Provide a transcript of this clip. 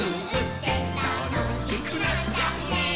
「たのしくなっちゃうね」